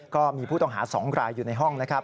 ก็มีผู้ต้องหา๒รายอยู่ในห้องนะครับ